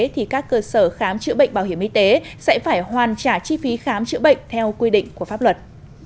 thì các cơ sở khám chữa bệnh bảo hiểm y tế sẽ phải hoàn trả chi phí khám chữa bệnh theo quy định của pháp luật